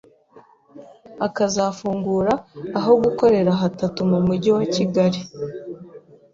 akazafungura aho gukorera hatatu mu Mujyi wa Kigali,